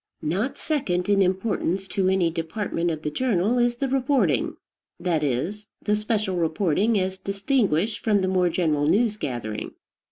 Not second in importance to any department of the journal is the reporting; that is, the special reporting as distinguished from the more general news gathering.